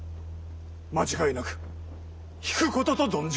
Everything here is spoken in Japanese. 間違いなく引くことと存じまする。